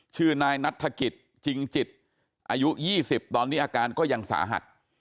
ชื่อนายนัฐกิจจริงจิตอายุ๒๐ตอนนี้อาการก็ยังสาหัส